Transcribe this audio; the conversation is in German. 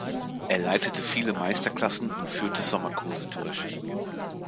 Er leitete viele Meisterklassen und führte Sommerkurse durch.